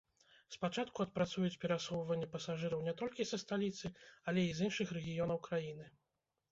Спачатку адпрацуюць перасоўванне пасажыраў не толькі са сталіцы, але і з іншых рэгіёнаў краіны.